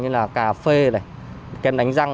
như là cà phê này kem đánh răng